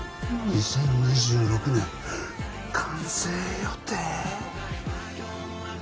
２０２６年完成予定？